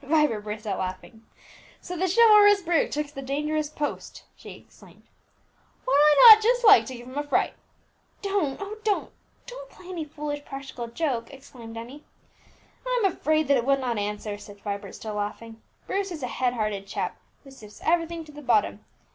Vibert burst out laughing. "So the chivalrous Bruce took the dangerous post!" he exclaimed. "Would I not just like to give him a fright!" "Don't, oh! don't play any foolish practical joke!" exclaimed Emmie. "I'm afraid that it would not answer," said Vibert, still laughing. "Bruce is a hard headed chap, who sifts everything to the bottom.